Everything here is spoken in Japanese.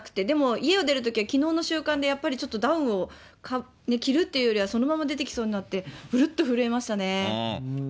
でも家を出るときは、きのうの習慣でやっぱりちょっとダウンを着るというよりは、そのまま出てきそうになって、ぶるっと震えまし